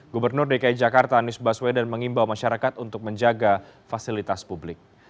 gubernur dki jakarta anies baswedan mengimbau masyarakat untuk menjaga fasilitas publik